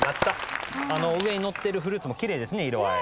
上にのってるフルーツも奇麗ですね色合い。